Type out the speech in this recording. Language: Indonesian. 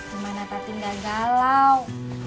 gimana tati gak galau